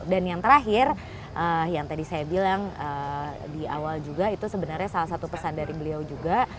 dan yang terakhir yang tadi saya bilang di awal itu sebenarnya salah satu pesan dari beliau juga